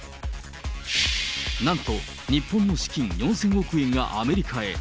なんと、日本の資金４０００億円がアメリカへ。